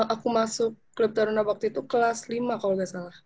aku masuk klub taruna bakti itu kelas lima kalo gak salah